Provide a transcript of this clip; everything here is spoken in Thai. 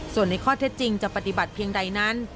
ส่วนในข้อเท็จจริงจะปฏิบัติเพียงใดนั้น